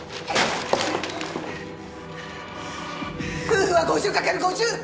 夫婦は５０掛ける５０。